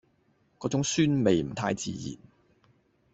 嗰種酸味唔太自然